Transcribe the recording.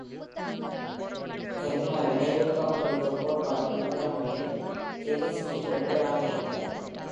கரிம வினையூக்கம் குறித்த கோட்பாட்டின் நிறுவனர்களில் ஜெலின்ஸ்கி ஒருவராக இருந்தார்.